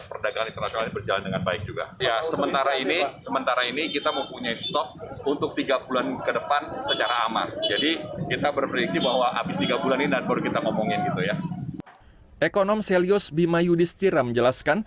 ekonom selyos bimayudistira menjelaskan